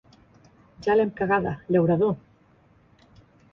Ja l'hem cagada, llaurador!